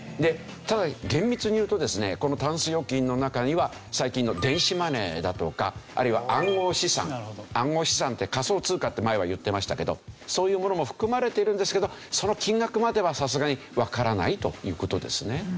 ただ厳密に言うとですねこのタンス預金の中には最近の電子マネーだとかあるいは暗号資産暗号資産って仮想通貨って前は言ってましたけどそういうものも含まれてるんですけどその金額まではさすがにわからないという事ですね。